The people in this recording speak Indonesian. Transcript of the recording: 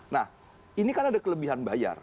nah ini kan ada kelebihan bayar